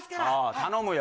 頼むよ。